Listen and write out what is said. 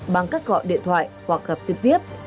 bằng các gọi điện thoại hoặc gặp trực tiếp